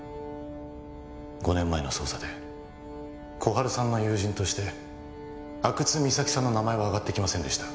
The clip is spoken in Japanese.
５年前の捜査で心春さんの友人として阿久津実咲さんの名前はあがってきませんでした